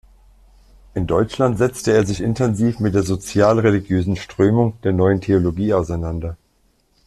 In Deutschland setzte er sich intensiv mit der sozial-religiösen Strömung der neuen Theologie auseinander.